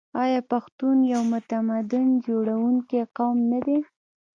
آیا پښتون یو تمدن جوړونکی قوم نه دی؟